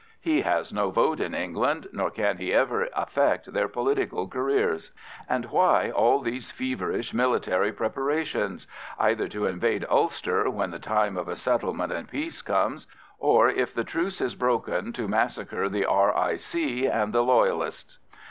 He has no vote in England, nor can he ever affect their political careers. And why all these feverish military preparations? Either to invade Ulster when the time of a settlement and peace comes, or, if the Truce is broken, to massacre the R.I.C. and the Loyalists.